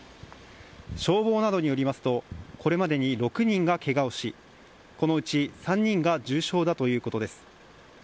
消防などによりますとこれまでに６人がケガをしこのうち３人が重傷だということです。